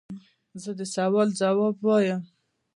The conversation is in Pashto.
زه د سوال ځواب وایم.